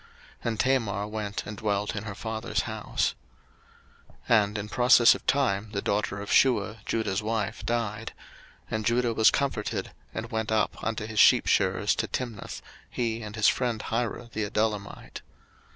And Tamar went and dwelt in her father's house. 01:038:012 And in process of time the daughter of Shuah Judah's wife died; and Judah was comforted, and went up unto his sheepshearers to Timnath, he and his friend Hirah the Adullamite.